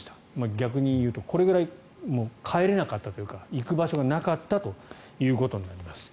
逆に言うとこれぐらい帰れなかったというか行く場所がなかったということになります。